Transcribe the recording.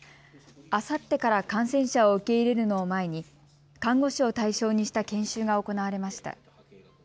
あさってから感染者を受け入れるのを前に看護師を対象にした研修が行われました。